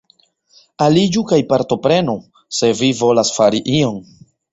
Aliĝu kaj partoprenu, se vi volas fari ion.